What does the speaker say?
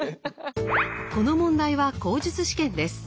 この問題は口述試験です。